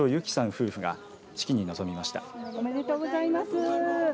夫婦が式に臨みました。